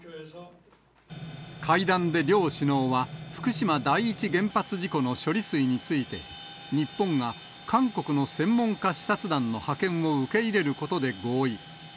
会談で両首脳は、福島第一原発事故の処理水について、日本が韓国の専門家視察団の派遣を受け入れることで合意。